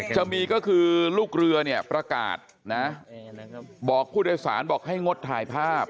จะมีก็คือลูกเรือเนี่ยประกาศนะบอกผู้โดยสารบอกให้งดถ่ายภาพ